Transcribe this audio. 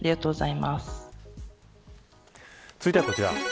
続いてはこちら。